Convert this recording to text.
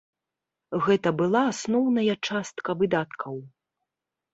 Гэта была асноўная частка выдаткаў.